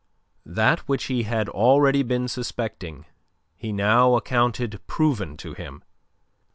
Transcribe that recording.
That which he had already been suspecting, he now accounted proven to him.